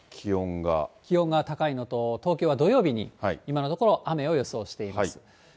気温が高いのと、東京は土曜日に、今のところ、雨を予想しています。